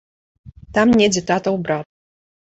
Там недзе татаў брат.